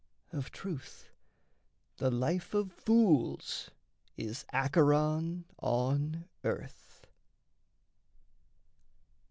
Of truth, The life of fools is Acheron on earth.